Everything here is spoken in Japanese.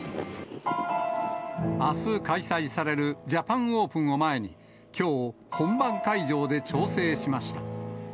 あす開催されるジャパンオープンを前に、きょう、本番会場で調整しました。